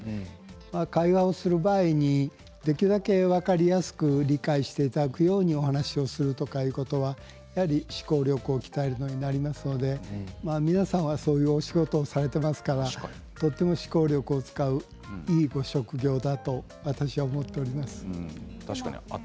会話をする場合にできるだけ分かりやすく理解していただくようにお話をするということは思考力を鍛えることになりますので皆さんは、そういうお仕事をされていますからとても思考力を使ういいご職業だと私は思っております。